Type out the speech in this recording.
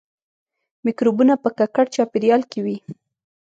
مکروبونه په ککړ چاپیریال کې وي